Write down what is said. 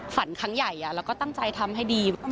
ฝันครั้งใหญ่แล้วก็ตั้งใจทำให้ดี